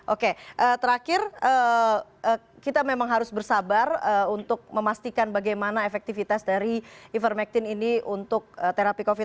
oke terakhir kita memang harus bersabar untuk memastikan bagaimana efektivitas dari ivermectin ini untuk terapi covid sembilan belas